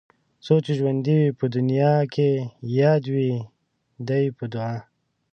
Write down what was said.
څو ژوندي وي په دنيا کې يادوي دې په دعا